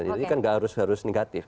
jadi kan nggak harus harus negatif